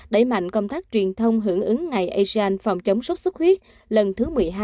đẩy mạnh công tác truyền thông hưởng ứng ngày asean phòng chống sốt xuất huyết lần thứ một mươi hai